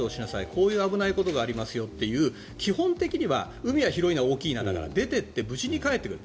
こういう危ないことがありますよっていう基本的には海は広いな大きいなだから出ていって無事に帰ってくる。